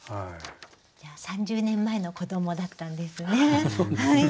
３０年前の子どもだったんですね。